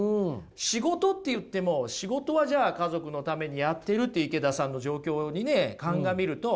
仕事って言っても仕事はじゃあ家族のためにやってるって池田さんの状況にね鑑みると。